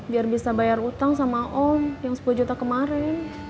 biar bisa bayar utang sama om yang sepuluh juta kemarin